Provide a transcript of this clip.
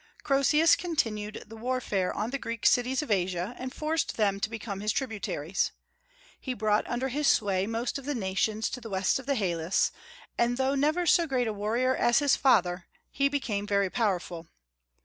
Croesus continued the warfare on the Greek cities of Asia, and forced them to become his tributaries. He brought under his sway most of the nations to the west of the Halys, and though never so great a warrior as his father, he became very powerful.